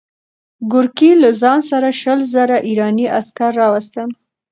ګورګین له ځان سره شل زره ایراني عسکر راوستل.